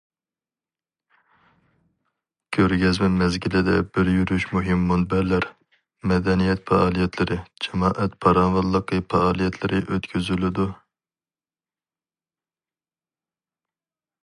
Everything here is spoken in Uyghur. كۆرگەزمە مەزگىلىدە بىر يۈرۈش مۇھىم مۇنبەرلەر، مەدەنىيەت پائالىيەتلىرى، جامائەت پاراۋانلىقى پائالىيەتلىرى ئۆتكۈزۈلىدۇ.